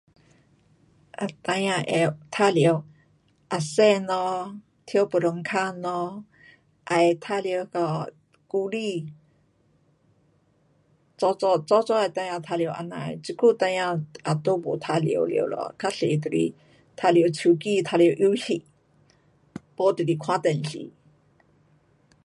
呃，孩儿会玩耍啊森咯，跳飞船格咯，也会玩耍那个 guli，早早，早早的孩儿玩耍这样的，这久孩儿也都没玩耍了咯。较多就是玩耍手机，玩耍游戏，没就是看电视。